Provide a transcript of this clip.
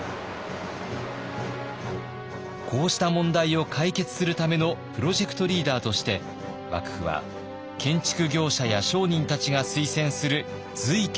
こうした問題を解決するためのプロジェクトリーダーとして幕府は建築業者や商人たちが推薦する瑞賢を抜てき。